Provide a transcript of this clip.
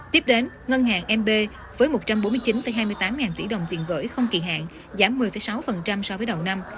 tiếp đến ngân hàng mb với một trăm bốn mươi chín hai mươi tám ngàn tỷ đồng tiền gửi không kỳ hạn giảm một mươi sáu so với đầu năm